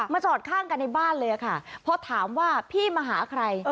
จอดข้างกันในบ้านเลยค่ะพอถามว่าพี่มาหาใคร